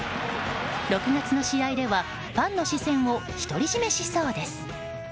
６月の試合ではファンの視線を独り占めしそうです。